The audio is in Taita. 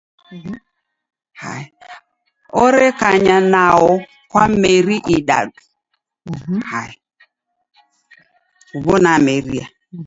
Orekanya nao kwa meri idadu.